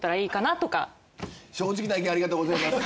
正直な意見ありがとうございます。